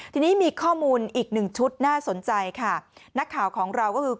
ทีนี้มีข้อมูลอีกหนึ่งชุดน่าสนใจค่ะนักข่าวของเราก็คือ